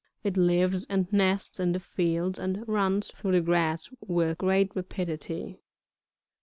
It lives and nests in the fields, and runs through the grass with great rapidity.